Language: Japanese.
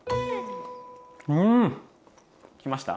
うん！来ました？